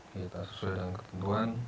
kita sesuai dengan ketentuan